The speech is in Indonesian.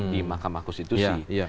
di makamah konstitusi